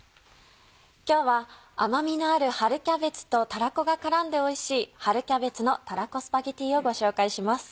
今日は甘みのある春キャベツとたらこが絡んでおいしい「春キャベツのたらこスパゲティ」をご紹介します。